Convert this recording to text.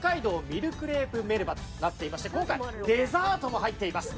ミルクレープメルバとなっていまして今回デザートも入っています。